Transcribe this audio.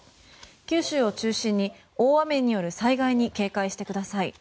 九州を中心に大雨による災害に警戒してください。